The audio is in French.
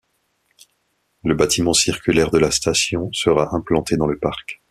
Le bâtiment circulaire de la station sera implanté dans le parc.